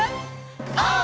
オー！